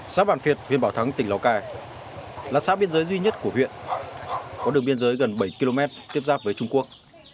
xã bản việt huyện bảo thắng tỉnh lào cai là xã biên giới duy nhất của huyện có đường biên giới gần bảy km tiếp giáp với trung quốc